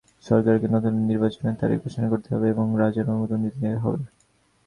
সরকারকে নতুন নির্বাচনের তারিখ ঘোষণা করতে হবে এবং রাজার অনুমোদন নিতে হবে।